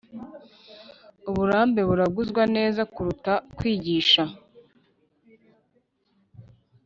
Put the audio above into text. uburambe buragurwa neza kuruta kwigisha